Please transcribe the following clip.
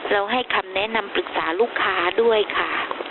ให้คำแนะนำปรึกษาลูกค้าด้วยค่ะ